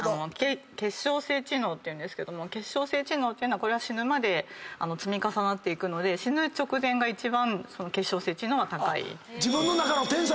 結晶性知能っていうんですけど結晶性知能っていうのは死ぬまで積み重なっていくので死ぬ直前が一番結晶性知能は高い。